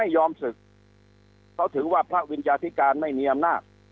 ยอมศึกเขาถือว่าพระวิญญาธิการไม่มีอำนาจ